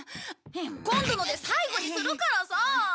今度ので最後にするからさ！